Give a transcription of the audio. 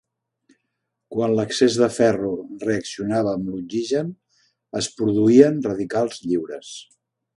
Quan l'excés de ferro reaccionava amb l'oxigen, es produïen radicals lliures.